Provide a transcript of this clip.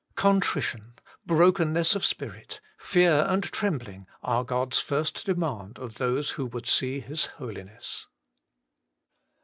Con trition, brokenness of spirit, fear and trembling are God's first demand of those who would see His Holiness.